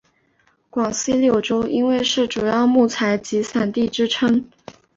广西柳州因为是主要木材集散地之称。